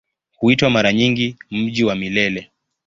Huitwa mara nyingi "Mji wa Milele".